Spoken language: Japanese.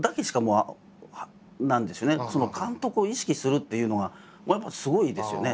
その監督を意識するっていうのがやっぱりすごいですよね。